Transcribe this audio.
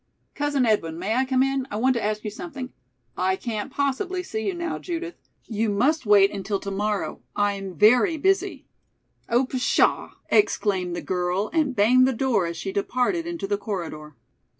"Cousin Edwin, may I come in? I want to ask you something " "I can't possibly see you now, Judith. You must wait until to morrow. I'm very busy." "Oh, pshaw!" exclaimed the girl and banged the door as she departed into the corridor.